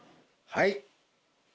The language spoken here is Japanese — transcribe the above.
はい。